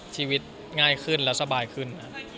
ชีวิตง่ายขึ้นและสบายขึ้น